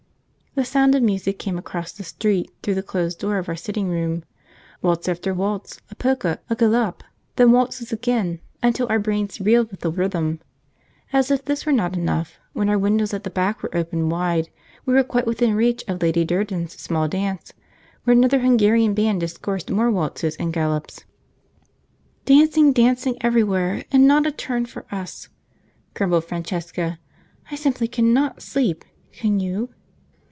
The sound of music came across the street through the closed door of our sitting room. Waltz after waltz, a polka, a galop, then waltzes again, until our brains reeled with the rhythm. As if this were not enough, when our windows at the back were opened wide we were quite within reach of Lady Durden's small dance, where another Hungarian band discoursed more waltzes and galops. "Dancing, dancing everywhere, and not a turn for us!" grumbled Francesca. "I simply cannot sleep, can you?"